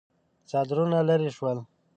څادرونه ليرې شول.